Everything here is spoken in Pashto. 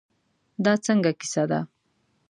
دا څنګه کیسه ده.